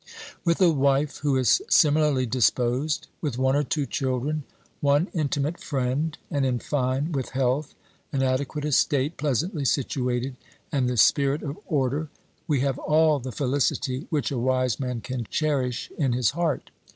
With a wife who is similarly disposed, with one or two children, one intimate friend and, in fine, with health, an adequate estate pleasantly situated, and the spirit of order, we have all the felicity which a wise man can cherish in his heart.